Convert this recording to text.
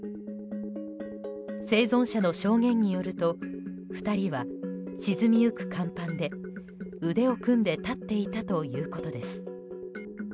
生存者の証言によると２人は沈みゆく甲板で腕を組んで立っていたということです。